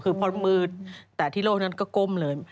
คือพอมืดแต่ที่โลกนั้นก็ก้มเลย